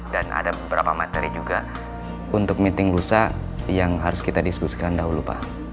dan ada beberapa materi juga untuk miting lusa yang harus kita diskusikan dahulu pak